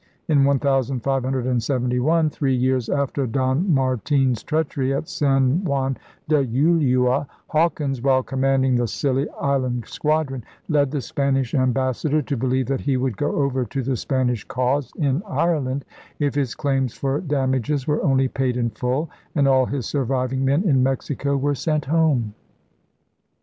In 1571, three years after Don Martin's treachery at San Juan de Ulua, Hawkins, while commanding the Scilly Island squadron, led the Spanish ambassador to believe that he would go over to the Spanish cause in Ireland if his claims for damages were only paid in full and all his surviving men in Mexico were sent home.